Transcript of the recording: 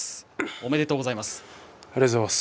おめでとうございます。